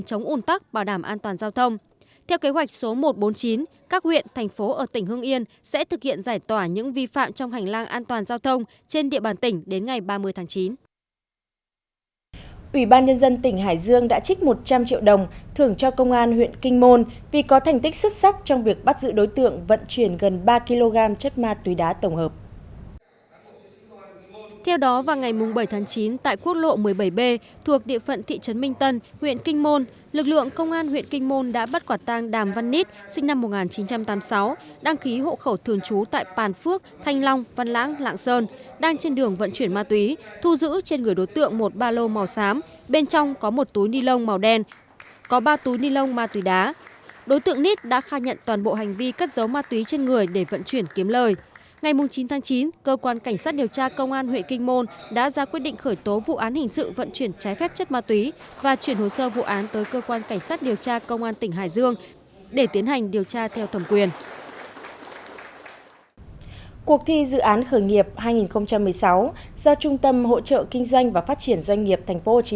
cuộc thi dự án khởi nghiệp hai nghìn một mươi sáu do trung tâm hỗ trợ kinh doanh và phát triển doanh nghiệp tp hcm phối hợp với quỹ star up vietnam foundation và một số đơn vị khác đã chính thức chọn được một mươi ba dự án ở vòng bán kết để góp mặt ở vòng chung kết